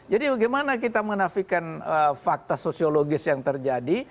jadi bagaimana kita menafikan fakta sosiologis yang terjadi